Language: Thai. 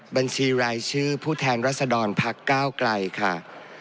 บัญชีรายชื่อผู้แทนรัศดรพักก้าวไกลค่ะ